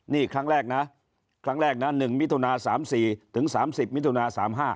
นี่ครั้งแรกนะ๑มิถุนา๓๔ถึง๓๐มิถุนา๓๕